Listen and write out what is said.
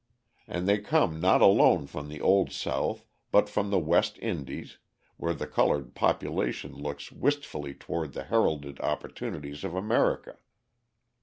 And they come not alone from the old South, but from the West Indies, where the coloured population looks wistfully toward the heralded opportunities of America.